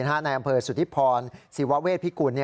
ห้านายอำเภอสุธิพรสิวเวศพิกุล